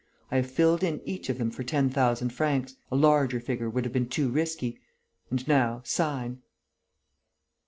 I have filled in each of them for ten thousand francs. A larger figure would have been too risky. And, now, sign."